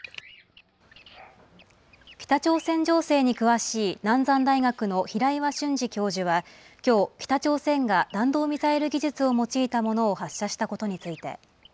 北朝鮮情勢に詳しい南山大学の平岩俊司教授は、きょう、北朝鮮が弾道ミサイル技術を用いたものを発射したことについて。